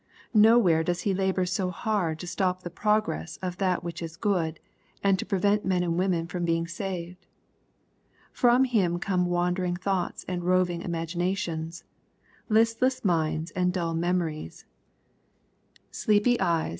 Nowhere does he labor so hard to stop the progress of that which is good, and to prevent men and women being saved. From him come wandering thoughts and roving imagi nations^— listless minds and dull memories, — sleepy eyes LUKB^ CHAP.